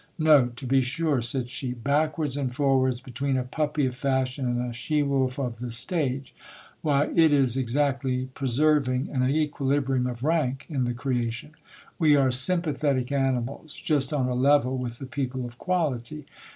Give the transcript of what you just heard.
No, to be sure, said she : backwards and forwards between a puppy of fashion and a she wolf of the stage ; why, it is exactly preserving an equilibrium of rank in the creation. We are sympathetic animals, just on a level with the people of quality.